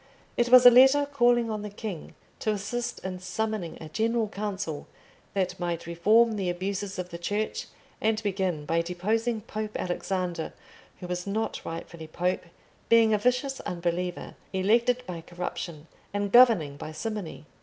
It was a letter calling on the king to assist in summoning a General Council, that might reform the abuses of the Church, and begin by deposing Pope Alexander, who was not rightfully Pope, being a vicious unbeliever, elected by corruption and governing by simony.